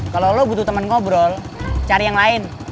kalau lo butuh teman ngobrol cari yang lain